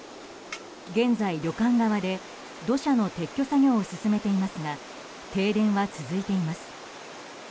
現在、旅館側で土砂の撤去作業を進めていますが停電は続いています。